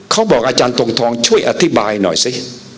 เขาบอกอาจารย์ทงทองช่วยอธิบายหน่อยสิ